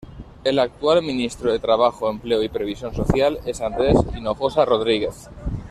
El actual ministro de Trabajo, Empleo y Previsión Social es Andres Hinojosa Rodríguez.